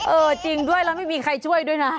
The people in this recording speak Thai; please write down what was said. เออจริงด้วยแล้วไม่มีใครช่วยด้วยนะ